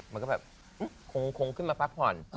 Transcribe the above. มันก็แบบคงขึ้นมาพักผ่อน